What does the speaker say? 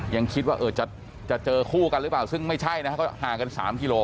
ยังคิดว่าจะเจอคู่กันหรือเปล่าซึ่งไม่ใช่นะเขาห่างกัน๓กิโล